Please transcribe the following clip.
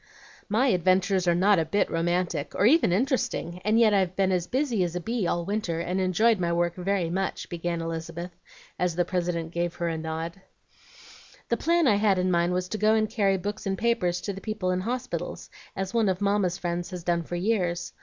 "My adventures are not a bit romantic, or even interesting, and yet I've been as busy as a bee all winter, and enjoyed my work very much," began Elizabeth, as the President gave her a nod. "The plan I had in mind was to go and carry books and papers to the people in hospitals, as one of Mamma's friends has done for years.